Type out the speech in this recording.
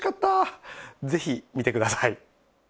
ぜひ見てください。